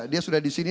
dia sudah di sini